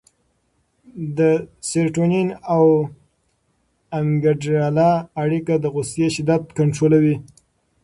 د سېرټونین او امګډالا اړیکه د غوسې شدت کنټرولوي.